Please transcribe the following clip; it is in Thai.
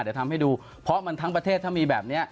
เดี๋ยวทำให้ดูเพราะมันทั้งประเทศถ้ามีแบบนี้